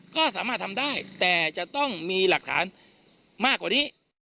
ก็สามารถทำได้แต่จะต้องมีหลักฐานมากกว่านี้